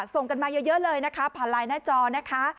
ส่งกันมาเยอะเลยนะคะผ่านไลน์หน้าจอนะคะ